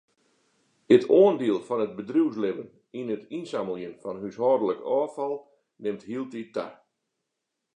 It oandiel fan it bedriuwslibben yn it ynsammeljen fan húshâldlik ôffal nimt hieltyd ta.